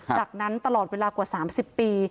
จากนั้นตลอดเวลากว่า๓๐ปี